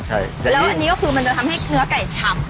ใช่แล้วอันนี้ก็คือมันจะทำให้เนื้อไก่ชำ